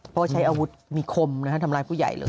เพราะใช้อาวุธมีคมทำร้ายผู้ใหญ่เลย